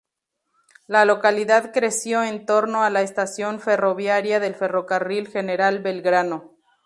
La localidad creció en torno a la estación ferroviaria del Ferrocarril General Belgrano.